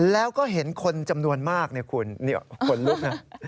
แล้วก็เห็นคนจำนวนมากเนี่ยคุณขนลุกนะ